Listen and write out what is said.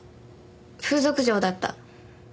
風俗嬢だった。